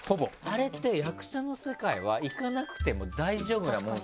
あれって役者の世界は行かなくても大丈夫なもんですか？